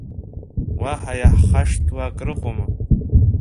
Уаҳа иаҳхашҭуа акрыҟоума?